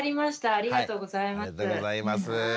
ありがとうございます。